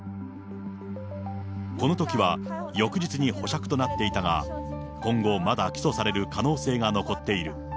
このときは翌日に保釈となっていたが、今後、まだ起訴される可能性が残っている。